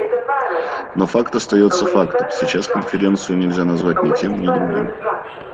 Но факт остается фактом — сейчас Конференцию нельзя назвать ни тем, ни другим.